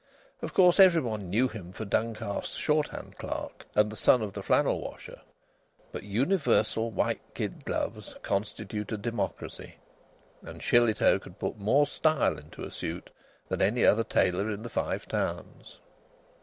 Of course everybody knew him for Duncalf's shorthand clerk and the son of the flannel washer; but universal white kid gloves constitute a democracy, and Shillitoe could put more style into a suit than any other tailor in the Five Towns.